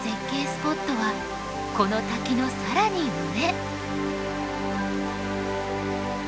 スポットはこの滝の更に上。